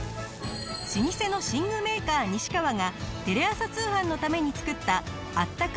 老舗の寝具メーカー西川がテレ朝通販のために作ったあったか